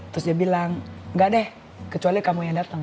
terus dia bilang nggak deh kecuali kamu yang datang